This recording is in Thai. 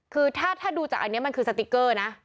คือถ้าดูจากอันนี้มันคือสติ๊กเกอร์นะ